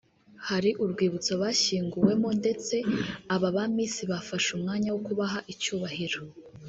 hari urwibutso bashyinguwemo ndetse aba ba miss bafashe umwanya wo kubaha icyubahiro